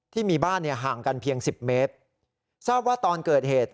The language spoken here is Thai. ที่มีบ้านเนี่ยห่างกันเพียงสิบเมตรทราบว่าตอนเกิดเหตุ